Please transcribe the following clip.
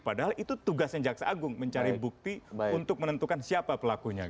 padahal itu tugasnya jaksa agung mencari bukti untuk menentukan siapa pelakunya